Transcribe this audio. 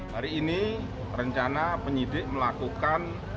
hari ini rencana penyidik melakukan